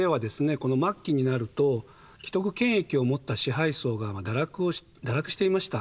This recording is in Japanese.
この末期になると既得権益を持った支配層が堕落していました。